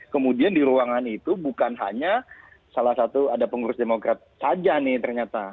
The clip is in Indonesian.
kemudian di ruangan itu bukan hanya salah satu ada pengurus demokrat saja nih ternyata